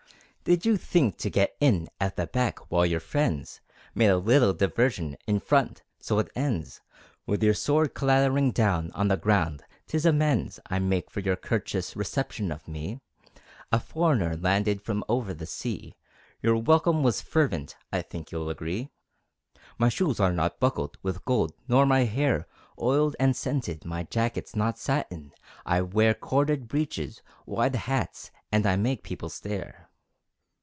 Did you think to get in At the back, while your friends Made a little diversion In front? So it ends, With your sword clattering down On the ground. 'Tis amends I make for your courteous Reception of me, A foreigner, landed From over the sea. Your welcome was fervent I think you'll agree. My shoes are not buckled With gold, nor my hair Oiled and scented, my jacket's Not satin, I wear Corded breeches, wide hats, And I make people stare!